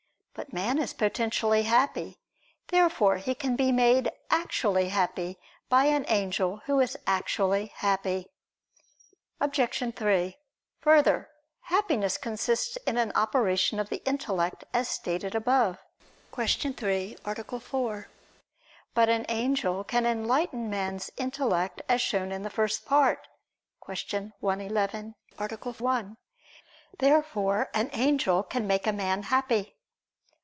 But man is potentially happy. Therefore he can be made actually happy by an angel who is actually happy. Obj. 3: Further, Happiness consists in an operation of the intellect as stated above (Q. 3, A. 4). But an angel can enlighten man's intellect as shown in the First Part (Q. 111, A. 1). Therefore an angel can make a man happy.